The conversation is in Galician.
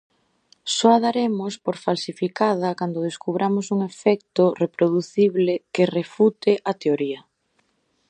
Só a daremos por falsificada cando descubramos un efecto reproducible que refute a teoría.